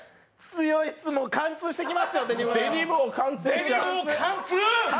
強いっす、貫通してきますよデニムを。